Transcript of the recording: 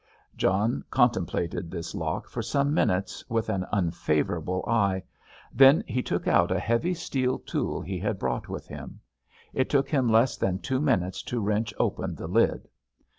John contemplated this lock for some minutes with an unfavourable eye, then he took out a heavy steel tool he had brought with him. It took him less than two minutes to wrench open the lid.